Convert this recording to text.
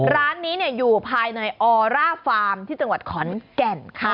ร้านนี้อยู่ภายในออร่าฟาร์มที่จังหวัดขอนแก่นค่ะ